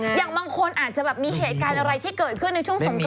อย่างบางคนอาจจะแบบมีเหตุการณ์อะไรที่เกิดขึ้นในช่วงสงครา